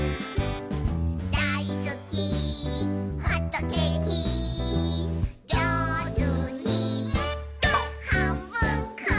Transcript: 「だいすきホットケーキ」「じょうずにはんぶんこ！」